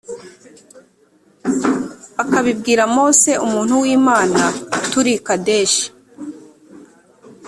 akabibwira mose umuntu w imana turi i kadeshi